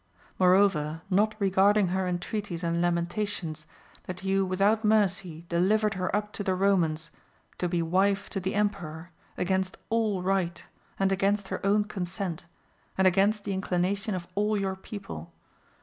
Moreover, not regarding her entreaties and lamentations, that you without mercy delivered her up to the Eomans, to be wife to the emperor, against all right, and against her own consent, and against the inclination of all your people.